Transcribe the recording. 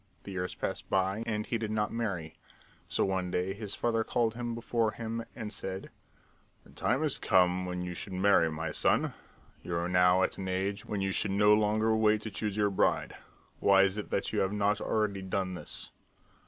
The years passed by and he did not marry, so one day his father called him before him and said: "The time has come when you should marry, my son. You are now at the age when you should no longer wait to choose your bride. Why is it that you have not already done this?"